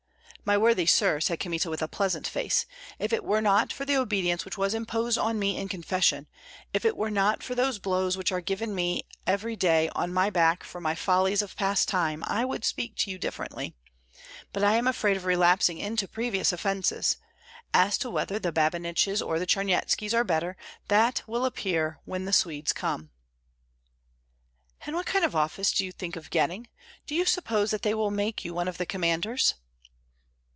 "My worthy sir," said Kmita, with a pleasant face, "if it were not for the obedience which was imposed on me in confession, if it were not for those blows which are given me every day on my back for my follies of past time, I would speak to you differently; but I am afraid of relapsing into previous offences. As to whether the Babiniches or the Charnyetskis are better, that will appear when the Swedes come." "And what kind of office do you think of getting? Do you suppose that they will make you one of the commanders?"